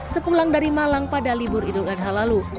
sepulang dari malang pada libur idul adha lalu